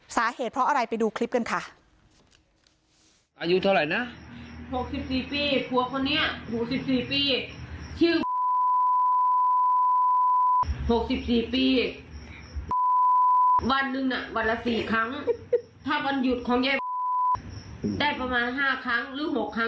สาเหตุเพราะอะไรไปดูคลิปกันค่ะ